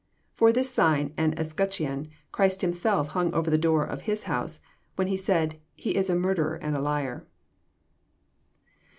For this sign and escutcheon Christ Himself hung over the door of his house, when He said, He is a murderer and a liar."